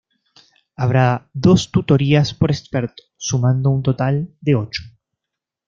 Habrá dos tutorías por experto, sumando un total de ocho.